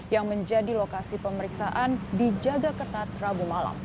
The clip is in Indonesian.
yang menjadi lokasi pemeriksaan dijaga ketat rabu malam